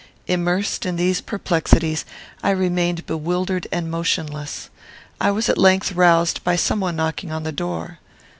Immersed in these perplexities, I remained bewildered and motionless. I was at length roused by some one knocking at the door.